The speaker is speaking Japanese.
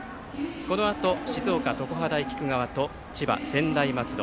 このあと、静岡・常葉大菊川と千葉・専大松戸。